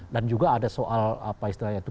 dan juga ada soal apa istilahnya itu